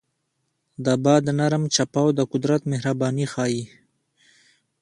د باد نرم چپاو د قدرت مهرباني ښيي.